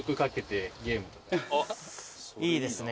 いいですね